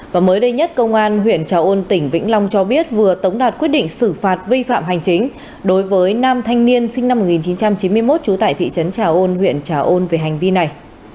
và mới đây nhất công an huyện trà ôn tỉnh vĩnh long cho biết vừa tống đạt quyết định xử phạt vi phạm hành chính đối với nam thanh niên sinh năm một nghìn chín trăm chín mươi một trú tại thị trấn trà ôn huyện trà ôn về hành vi này